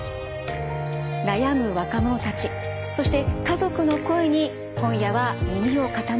悩む若者たちそして家族の声に今夜は耳を傾けてください。